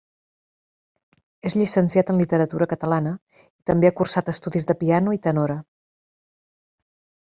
És llicenciat en literatura catalana i també ha cursat estudis de piano i tenora.